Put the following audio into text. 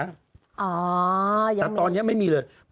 อ๋อยังมีแต่ตอนนี้ไม่มีเลย